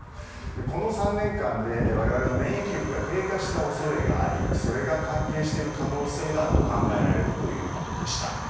この３年間で我々の免疫力が低下した恐れがありそれが関係している可能性があると考えられるということでした。